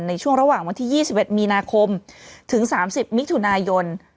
ในช่วงระหว่างวันที่๒๑มีนาคมถึง๓๐มิถุนายน